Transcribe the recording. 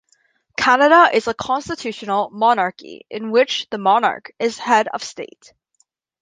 Canada is a constitutional monarchy, in which the Monarch is head of state.